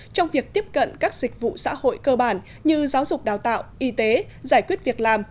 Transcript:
trong việc tiếp cận các dịch vụ xã hội cơ bản như giáo dục đào tạo y tế giải quyết việc làm